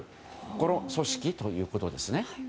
この組織ということです。